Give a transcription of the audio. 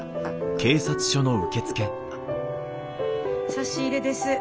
差し入れです。